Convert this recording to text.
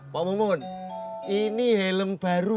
pak mumun ini helm baru